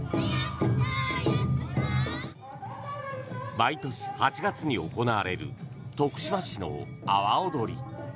毎年８月に行われる徳島市の阿波おどり。